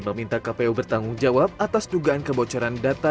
meminta kpu bertanggung jawab atas dugaan kebocoran data